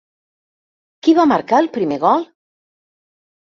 Qui va marcar el primer gol?